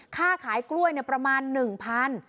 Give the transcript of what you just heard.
ค่าขายกล้วยเนี่ยประมาณหนึ่งพัน